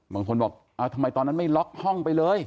บางคนบอกทำไมตอนนั้นไม่ล็อกห้องไปเลย